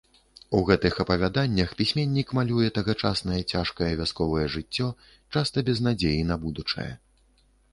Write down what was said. У гэтых апавяданнях пісьменнік малюе тагачаснае цяжкае вясковае жыццё, часта без надзеі на будучае.